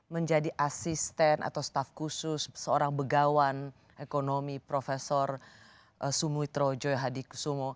menjadi asisten atau staff khusus seorang begawan ekonomi prof sumitro joya hadikusumo